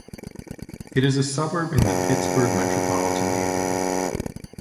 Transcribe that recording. It is a suburb in the Pittsburgh metropolitan area.